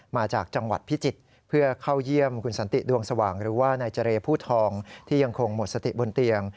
มาจากจังหวัดพิจิตรเพื่อเข้าเยี่ยมคุณสันติดวงสว่างหรือว่านายเจรผู้ทองที่ยังคงหมดสติบนเตียง